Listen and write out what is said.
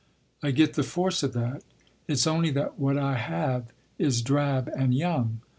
"I get the force of that. It’s only that what I have is drab and young.